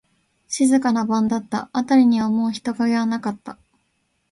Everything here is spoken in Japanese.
静かな晩だった。あたりにはもう人影はなかった。